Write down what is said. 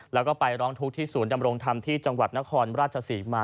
แล้วก็ไปร้องทุกข์ที่ศูนย์ดำรงธรรมที่จังหวัดนครราชศรีมา